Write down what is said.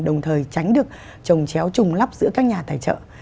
đồng thời tránh được trồng chéo trùng lắp giữa các nhà tài trợ